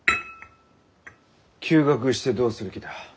休学してどうする気だ？